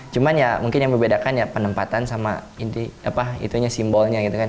cuman ya mungkin yang membedakan ya penempatan sama simbolnya gitu kan